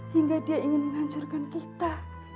hingga dia ingin menghancurkan kita